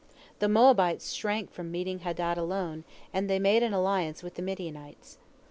The Moabites shrank from meeting Hadad alone, and they made an alliance with the Midianites.